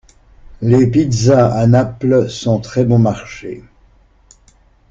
Les pizzas à Naples sont très bon marché.